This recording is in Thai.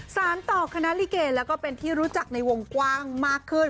สารต่อคณะลิเกแล้วก็เป็นที่รู้จักในวงกว้างมากขึ้น